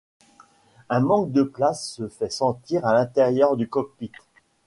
Un manque de place se fait sentir à l'intérieur du cockpit.